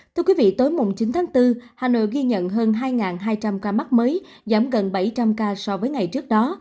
thưa quý vị tối chín tháng bốn hà nội ghi nhận hơn hai hai trăm linh ca mắc mới giảm gần bảy trăm linh ca so với ngày trước đó